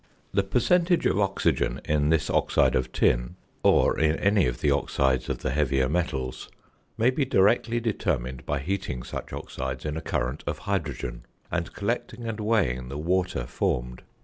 The percentage of oxygen in this oxide of tin (or in any of the oxides of the heavier metals) may be directly determined by heating such oxides in a current of hydrogen, and collecting and weighing the water formed.